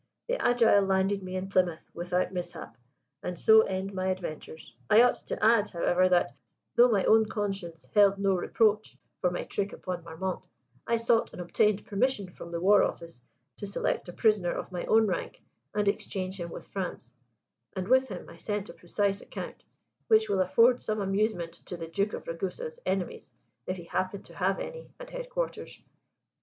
"The Agile landed me in Plymouth without mishap: and so end my adventures. I ought to add, however, that, though my own conscience held no reproach for my trick upon Marmont, I sought and obtained permission from the War Office to select a prisoner of my own rank and exchange him with France; and with him I sent a precise account, which will afford some amusement to the Duke of Ragusa's enemies if he happen to have any at headquarters.